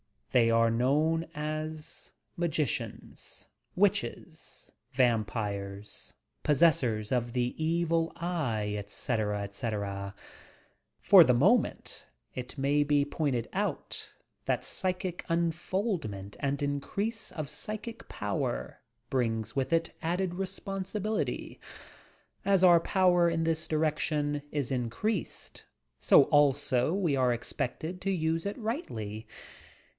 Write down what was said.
They are known as magicians, witchfes, vampires, possessors of the evil eye, etc., etc. For the moment it may be pointed out that psychic unfoldment and increase of psychic power brings with it added responsibility. As our power in this di rection is increased, ao also we are expected to use it rightly.